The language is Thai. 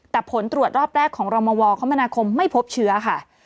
แต่ผลตรวจรอบแรกของรมวคมนาคมไม่พบเชื้อค่ะ